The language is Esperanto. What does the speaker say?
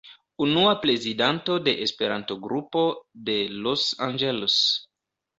Unua prezidanto de Esperanto-Grupo de Los Angeles.